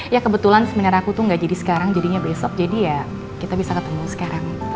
ya kebetulan sebenarnya aku tuh gak jadi sekarang jadinya besok jadi ya kita bisa ketemu sekarang